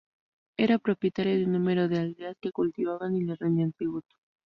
Era propietaria de un número de aldeas que cultivaban y le rendían tributo.